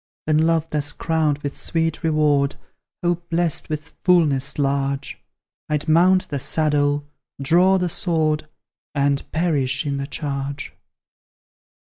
Then Love thus crowned with sweet reward, Hope blest with fulness large, I'd mount the saddle, draw the sword, And perish in the charge!